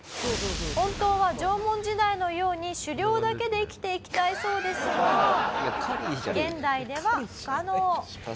本当は縄文時代のように狩猟だけで生きていきたいそうですが現代では不可能。